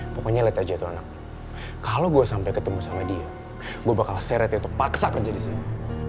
pokoknya lihat aja tuh anak kalau gue sampai ketemu sama dia gue bakal seret itu paksa kerja di sini